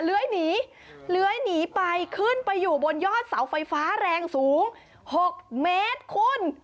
เลื้อยหนีเลื้อยหนีไปขึ้นไปอยู่บนยอดเสาไฟฟ้าแรงสูง๖เมตรคุณ